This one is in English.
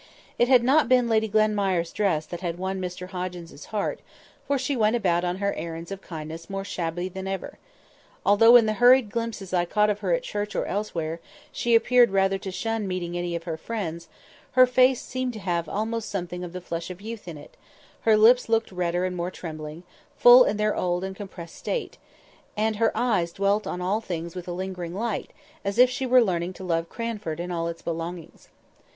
It had not been Lady Glenmire's dress that had won Mr Hoggins's heart, for she went about on her errands of kindness more shabby than ever. Although in the hurried glimpses I caught of her at church or elsewhere she appeared rather to shun meeting any of her friends, her face seemed to have almost something of the flush of youth in it; her lips looked redder and more trembling full than in their old compressed state, and her eyes dwelt on all things with a lingering light, as if she was learning to love Cranford and its belongings.